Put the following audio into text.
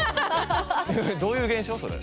どういう現象それ。